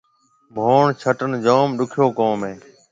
ڀوڻ ڇٽڻ جوم ڏُکيو ڪوم هيَ۔